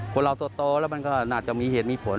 คนเราโตแล้วมันก็น่าจะมีเหตุมีผล